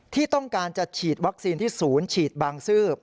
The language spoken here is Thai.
ที่ต้องการจะฉีดวัคซีนที่ศูนย์ฉีดบางซื่อ